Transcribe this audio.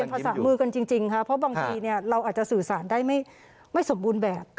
ภาษามือกันจริงค่ะเพราะบางทีเราอาจจะสื่อสารได้ไม่สมบูรณ์แบบ